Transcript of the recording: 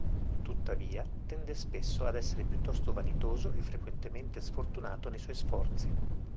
Tuttavia, tende spesso ad essere piuttosto vanitoso e frequentemente sfortunato nei suoi sforzi.